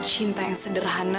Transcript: cinta yang sederhana